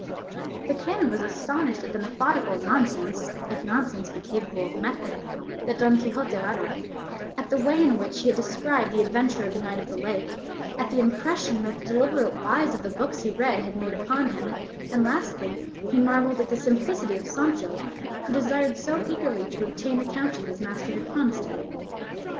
The canon was astonished at the methodical nonsense (if nonsense be capable of method) that Don Quixote uttered, at the way in which he had described the adventure of the knight of the lake, at the impression that the deliberate lies of the books he read had made upon him, and lastly he marvelled at the simplicity of Sancho, who desired so eagerly to obtain the county his master had promised him.